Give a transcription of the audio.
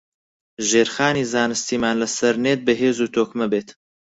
ژێرخانی زانستیمان لەسەر نێت بەهێز و تۆکمە بێت